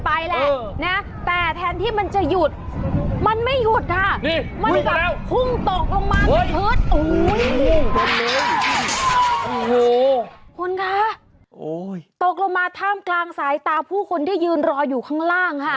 ไอ้ตอนหมุนนี่ก็สนุกดีคุณทิศา